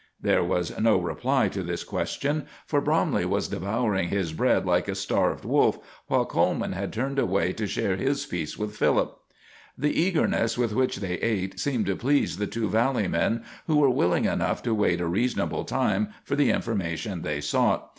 There was no reply to this question, for Bromley was devouring his bread like a starved wolf, while Coleman had turned away to share his piece with Philip. The eagerness with which they ate seemed to please the two valley men, who were willing enough to wait a reasonable time for the information they sought.